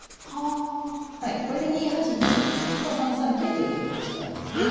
これで２八飛にま３三桂と受ける形があるんですね。